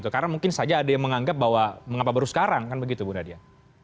karena mungkin saja ada yang menganggap bahwa mengapa baru sekarang kan begitu bu nadia